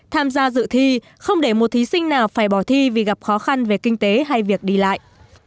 tham gia dự thi không để một thí sinh nào phải bỏ thi vì gặp khó khăn về kinh tế hay việc đi lại